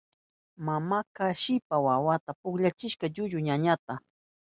Mamanka shipas wawanta pilluchishka llullu ñañanta.